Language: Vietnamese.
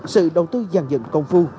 sự đầu tư dàn dần công phu